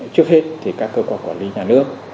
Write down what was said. trước hết thì các cơ quan quản lý nhà nước